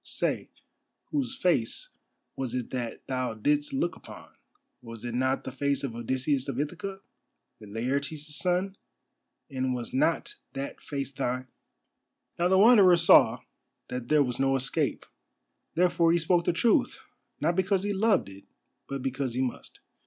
Say, whose face was it that thou didst look upon—was it not the face of Odysseus of Ithaca, Laertes' son, and was not that face thine?" Now the Wanderer saw that there was no escape. Therefore he spoke the truth, not because he loved it, but because he must.